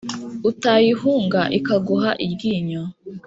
Utayihunga ikaguha iryinyo.